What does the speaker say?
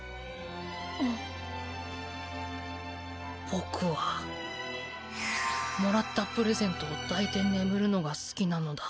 ぼくはもらったプレゼントをだいてねむるのがすきなのだ。